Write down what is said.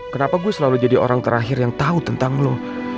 kenapa gue selalu jadi orang terakhir yang tahu tentang lo